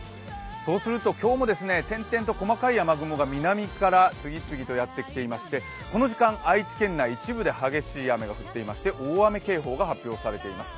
そうすると今日も点々と細かい雨雲が南から次々とやってきていましてこの時間、愛知県内一部で激しい雨が降っていまして大雨警報が発表されています。